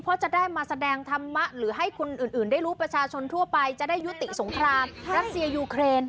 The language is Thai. เพราะจะได้มาแสดงธรรมะหรือให้คนอื่นได้รู้ประชาชนทั่วไปจะได้ยุติสงครามรัสเซียยูเครน